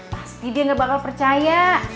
pasti dia gak bakal percaya